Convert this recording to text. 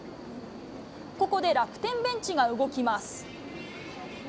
ここで楽天ベンチが動きます。